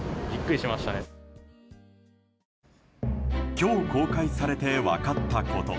今日公開されて分かったこと。